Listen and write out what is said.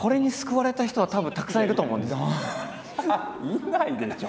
いないでしょ？